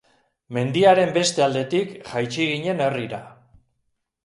Mendiaren beste aldetik jaitsi ginen herrira.